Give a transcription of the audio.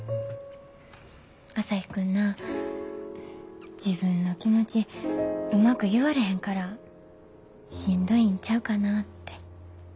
朝陽君な自分の気持ちうまく言われへんからしんどいんちゃうかなって。